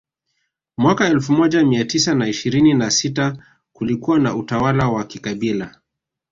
Mwaka elfu moja mia tisa na ishirini na sita kulikuwa na utawala wa kikabila